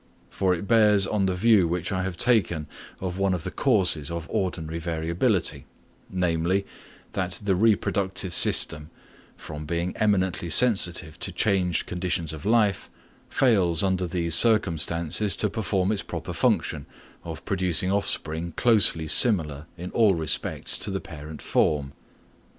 For it bears on the view which I have taken of one of the causes of ordinary variability; namely, that the reproductive system, from being eminently sensitive to changed conditions of life, fails under these circumstances to perform its proper function of producing offspring closely similar in all respects to the parent form.